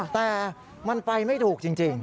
แต่มันไปไม่ถูกจริง